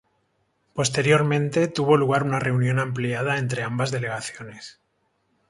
Posteriormente, tuvo lugar una reunión ampliada entre ambas delegaciones.